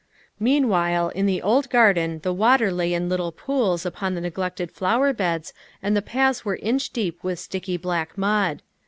Meanwhile, in the old garden the water lay in little pools upon the neglected flower beds and the paths were inch deep with sticky black mud.